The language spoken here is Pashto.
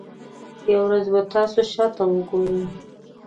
یوه ورځ به تاسو شاته وګورئ.